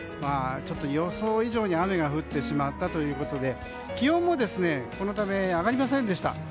予想以上に雨が降ってしまったということで気温もそのため上がりませんでした。